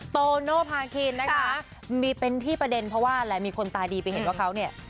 โตโนภาคินนะคะมีเป็นที่ประเด็นเพราะว่าหลายคนตาดีไปเห็นว่าเขาเนี่ย